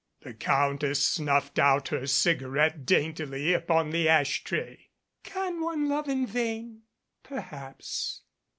The Countess snuffed out her cigarette daintily upon the ash tray. "Can one love in vain? Perhaps.